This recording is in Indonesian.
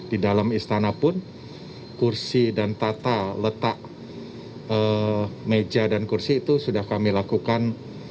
di dalam istana pun kursi dan tata letak meja dan kursi itu sudah kami lakukan